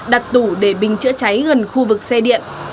đặt tủ để bình chữa cháy gần khu vực xe điện